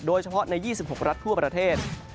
โดยเฉพาะใน๒๖รัฐทั่วประเทศ